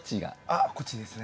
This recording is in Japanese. あっこっちですね。